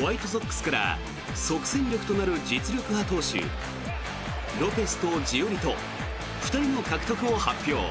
ホワイトソックスから即戦力となる実力派投手ロペスとジオリト２人の獲得を発表。